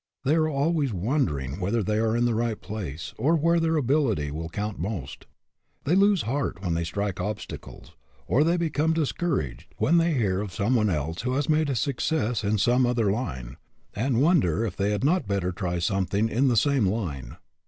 They are always wonder ing whether they are in the right place, or where their ability will count most. They lose heart when they strike obstacles; or they become discouraged when they hear of some i io AN OVERMASTERING PURPOSE one else who has made a success in some other line, and wonder if they had not better try something in the same line.